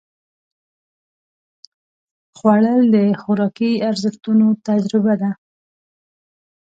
خوړل د خوراکي ارزښتونو تجربه ده